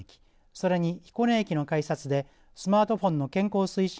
それに彦根駅の改札でスマートフォンの健康推進